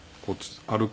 歩く